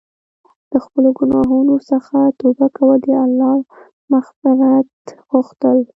د خپلو ګناهونو څخه توبه کول او د الله مغفرت غوښتل.